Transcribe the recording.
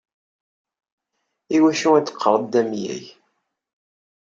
Iwacu i d-teqqareḍ d amyag?